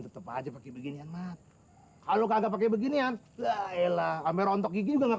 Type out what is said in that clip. tetep aja pakai beginian mat kalau kagak pakai beginian ya elah sampai rontok gigi juga enggak